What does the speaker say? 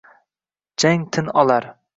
Jang tin olar